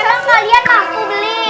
emang kalian takut beli